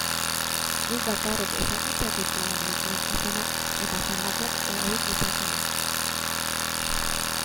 Guk bakarrik ezagutzen ditugun lekuen izenak eta zenbakiak erabil ditzakegu.